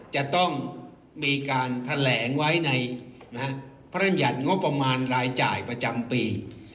จะต้องมีการแถลงไว้ในพระรัญญัติงบประมาณรายจ่ายประจำปี